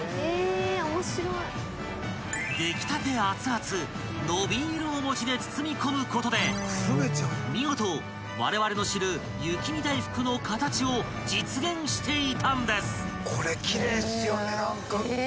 ［出来たてあつあつ伸びーるお餅で包み込むことで見事われわれの知る雪見だいふくの形を実現していたんです］